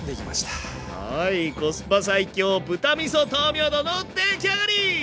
はいコスパ最強豚みそ豆苗丼の出来上がり！